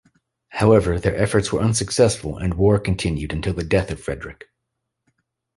However, their efforts were unsuccessful and war continued until the death of Frederick.